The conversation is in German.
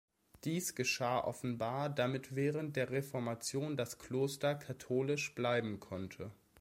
Dies geschah offenbar, damit während der Reformation das Kloster katholisch bleiben konnte.